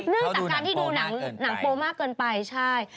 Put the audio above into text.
เรื่องจากการที่ดูหนังโปรมากเกินไปใช่